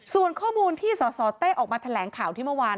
ส่วนข้อมูลที่สสเต้ออกมาแถลงข่าวที่เมื่อวาน